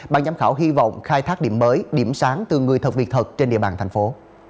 ban giám khảo hy vọng khai thác điểm mới điểm sáng từ người thật việc thật trên địa bàn thành phố